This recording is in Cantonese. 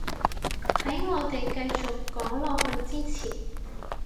喺我哋繼續講落去之前